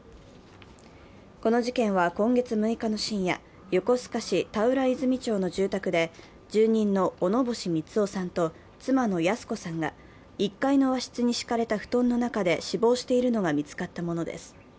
この事件は今月６日の深夜、横須賀市田浦泉町の住宅で住人の小野星三男さんと妻の泰子さんが１階の和室に敷かれた布団の中で死亡しているのが見つかったものです。